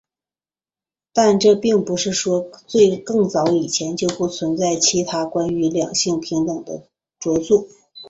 但这并不是说更早以前就不存在着其他关于两性平等的着作。